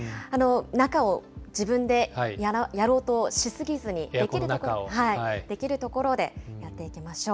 中を自分でやろうとしすぎずに、できるところでやっていきましょう。